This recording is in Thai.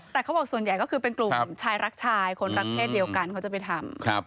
แต่เขาบอกส่วนใหญ่ก็คือเป็นกลุ่มชายรักชายคนรักเพศเดียวกันเขาจะไปทำ